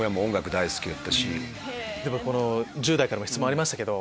１０代からも質問ありましたけど。